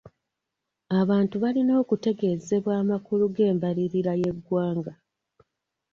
Abantu balina okutegezebwa amakulu g'embalirira y'egwanga.